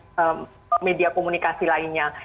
atau media komunikasi lainnya